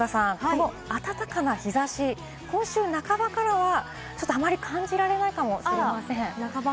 黒田さん、暖かな日差し、今週半ばからはちょっとあまり感じられないかもしれません。